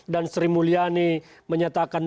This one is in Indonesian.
dan sri mulyani menyatakan